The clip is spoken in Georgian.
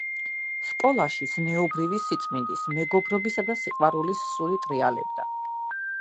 სკოლაში ზნეობრივი სიწმინდის, მეგობრობისა და სიყვარულის სული ტრიალებდა.